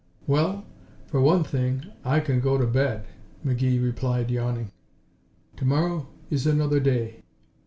"Well, for one thing I can go to bed," McGee replied yawning. "To morrow is another day."